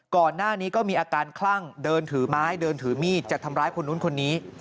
ก่อนหน้านี้ก็มีอาการคลั่งเดินถือไม้เดินถือมีดจะทำร้ายคนนู้นคนนี้